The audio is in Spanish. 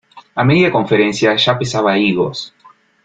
A media conferencia ya pesaba higos.